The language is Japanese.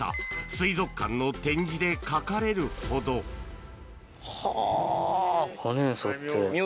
水族館の展示で書かれるほどはぁ。